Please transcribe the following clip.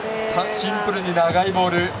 シンプルに長いボール。